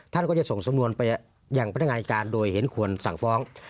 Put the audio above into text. ท่านก็จะส่งสำนวนไปอย่างพนักงานอายการโดยเห็นควรสั่งฟ้อง